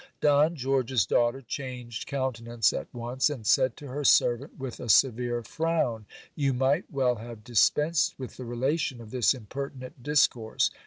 Don George's daughter changed countenance at once, and said to her servant with a severe frown, You might well have dispensed with the relation of this impertinent discourse.